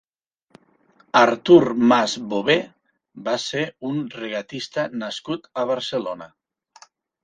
Artur Mas Bové va ser un regatista nascut a Barcelona.